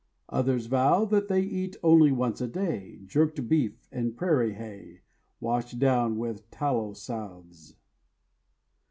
Others vow that they Eat only once a day Jerked beef and prairie hay Washed down with tallow salves.